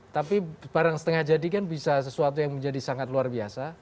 tapi barang setengah jadi kan bisa sesuatu yang menjadi sangat luar biasa